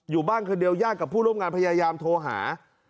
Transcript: อยู่บ้านคนเดียวญาติกับผู้ร่วมงานพยายามโทรหา